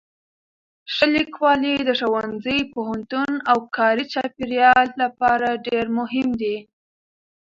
ښه لیکوالی د ښوونځي، پوهنتون او کاري چاپېریال لپاره ډېر مهم دی.